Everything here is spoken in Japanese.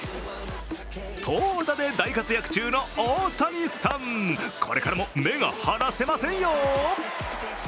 投打で大活躍中の大谷さん、これからも目が離せませんよ。